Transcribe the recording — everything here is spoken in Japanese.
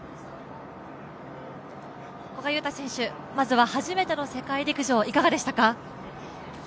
古賀友太選手、まずは初めての世界陸上いかがでしたか？